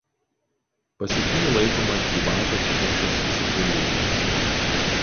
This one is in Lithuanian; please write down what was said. Pasekėjų laikomas gyvatės Šešos įsikūnijimu.